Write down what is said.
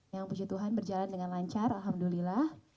yang puji tuhan berjalan dengan lancar alhamdulillah